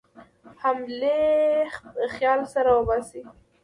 حملې خیال له سره وباسي.